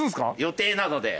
予定なので。